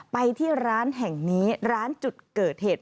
ไปที่ร้านแห่งนี้ร้านจุดเกิดเหตุ